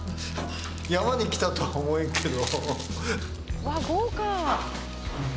山に来たとは思えんけど。